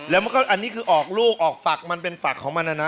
แล้วมันก็อันนี้คือออกลูกออกฝักมันเป็นฝักของมันนะ